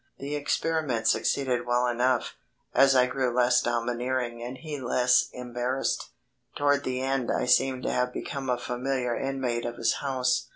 The experiment succeeded well enough, as I grew less domineering and he less embarrassed. Toward the end I seemed to have become a familiar inmate of his house.